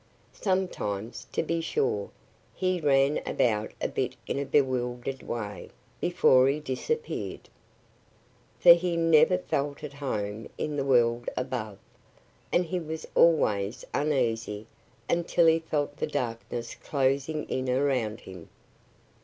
Sometimes, to be sure, he ran about a bit in a bewildered way, before he disappeared. For he never felt at home in the world above; and he was always uneasy until he felt the darkness closing in around him.